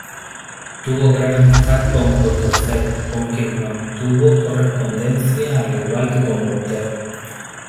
Tuvo gran amistad con Condorcet, con quien mantuvo correspondencia, al igual que con Voltaire.